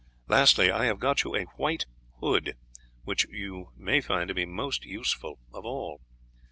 Lastly, I have got you a white hood, which may be most useful of all."